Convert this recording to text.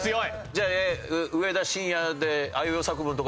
じゃあ上田晋也であいうえお作文とかいけるの？